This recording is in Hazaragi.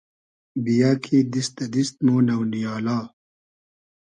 بییۂ کی دیست دۂ دیست مۉ نۆ نییالا